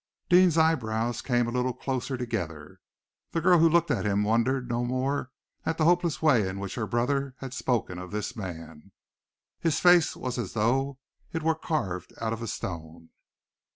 Deane's eyebrows came a little closer together. The girl who looked at him wondered no more at the hopeless way in which her brother had spoken of this man. His face was as though it were carved out of a stone.